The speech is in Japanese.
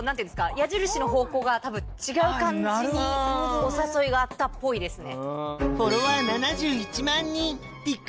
矢印の方向が違う感じにお誘いがあったっぽいですね。